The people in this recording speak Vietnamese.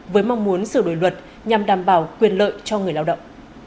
với mong muốn sửa đổi luật nhằm đảm bảo quyền lợi cho người lao động